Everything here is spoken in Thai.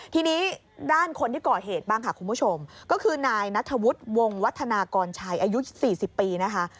ทีนี้ด้านคนที่ก่อเหตุบ้างค่ะคุณผู้ชมก็คือนายนัทวุฒิวงวัฒนากรชัยอายุ๔๐ปีนะคะ